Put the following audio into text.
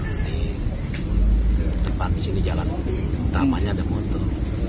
di depan sini jalan utamanya ada motor